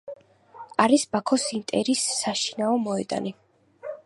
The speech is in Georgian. არის ბაქოს ინტერის საშინაო მოედანი.